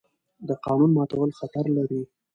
د قانون ماتول خطر لري